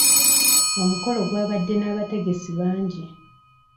Omukolo gwabadde n'abategesi bangi.